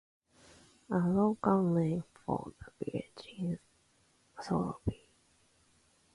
A local name for the village is Soloby.